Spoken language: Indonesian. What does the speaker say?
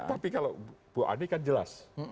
tapi kalau ibu ani kan jelas